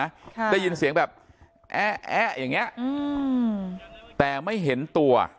ค่ะได้ยินเสียงแบบแอ๊ะอย่างเงี้อืมแต่ไม่เห็นตัว